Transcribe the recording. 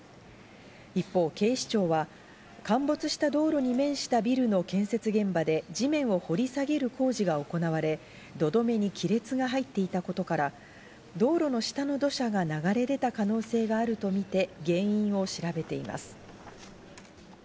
一方、警視庁は陥没した道路に面したビルの建設現場で地面を掘り下げる工事が行われ、土留めに亀裂が入っていたことから、道路の下の土砂が流れ出た可能性があるとみて原因を調べています。